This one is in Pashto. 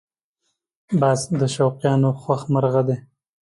باز د شوقیانو خوښ مرغه دی